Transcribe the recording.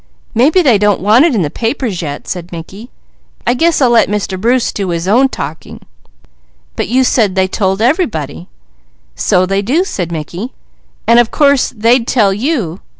"Maybe they don't want it in the papers yet," said Mickey. "I guess I'll let Mr. Bruce do his own talking." "But you said they told everybody." "So they do," said Mickey. "And of course they'd tell you.